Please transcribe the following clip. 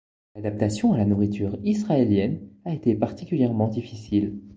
L’adaptation à la nourriture israélienne a été particulièrement difficile.